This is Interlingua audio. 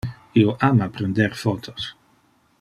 Io ama prender photos.